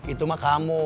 itu mah kamu